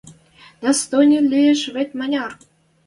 Достойный лиэш вет маняр!